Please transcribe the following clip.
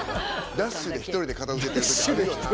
ダッシュで１人で片づけてる時あるよな。